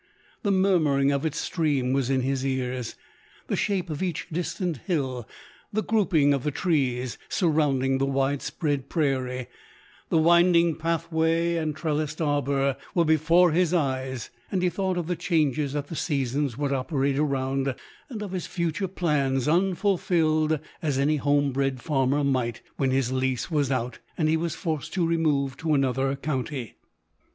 The murmuring of its stream was in his ears, the shape of each distant hill, the grouping of the trees, surrounding the wide spread prairie, the winding pathway and trelliscd arbour were be fore his eyes, and he thought of the changes that the seasons would operate around, and of his future plans unfulfilled, as any home bred farmer might, when his lease was out, and he was forced to remove to another county.